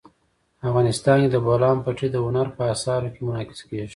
افغانستان کې د بولان پټي د هنر په اثار کې منعکس کېږي.